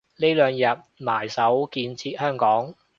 呢兩日埋首建設香港